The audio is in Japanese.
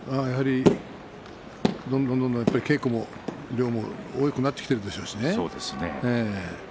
どんどん稽古も量が多くなってきていますしね。